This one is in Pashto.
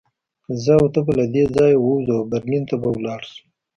زه او ته به له دې ځایه ووځو او برلین ته به لاړ شو